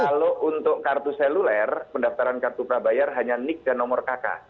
kalau untuk kartu seluler pendaftaran kartu prabayer hanya nick dan nomor kakak